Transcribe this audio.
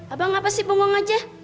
abang apa sih pemong aja